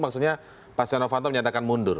maksudnya pak setnop menyatakan mundur